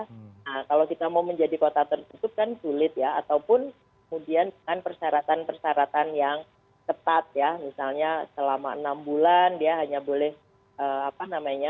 nah kalau kita mau menjadi kota tertutup kan sulit ya ataupun kemudian dengan persyaratan persyaratan yang ketat ya misalnya selama enam bulan dia hanya boleh apa namanya